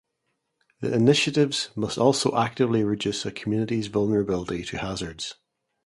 The initiatives must also actively reduce a community's vulnerability to hazards.